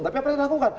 tapi apa yang dilakukan